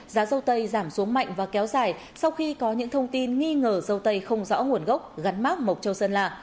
giá dâu tây giảm xuống mạnh và kéo dài sau khi có những thông tin nghi ngờ dâu tây không rõ nguồn gốc gắn mát mộc châu sơn la